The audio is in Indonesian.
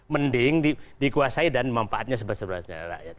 mending dikuasai dan mempaatnya sebesar besarnya kepada rakyat